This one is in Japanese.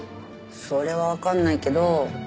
それはわかんないけど。